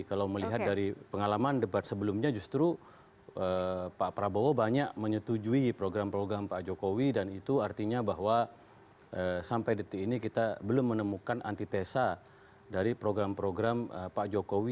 kalau melihat dari pengalaman debat sebelumnya justru pak prabowo banyak menyetujui program program pak jokowi dan itu artinya bahwa sampai detik ini kita belum menemukan antitesa dari program program pak jokowi